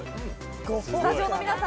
スタジオの皆さん